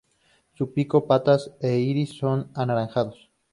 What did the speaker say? Su pico, patas e iris son anaranjados.